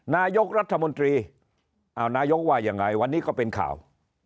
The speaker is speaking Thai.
นายกรัฐมนตรีอ้าวนายกว่ายังไงวันนี้ก็เป็นข่าว